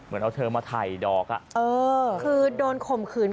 เหมือนเอาเธอมาถ่ายดอกอ่ะเออคือโดนข่มขืน